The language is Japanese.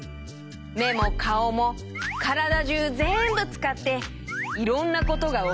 めもかおもからだじゅうぜんぶつかっていろんなことがおはなしできるんだよ。